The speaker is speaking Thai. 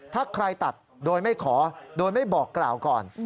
ถ้าใครตัดโดยไม่ขอโดยไม่บอกกล่าวก่อน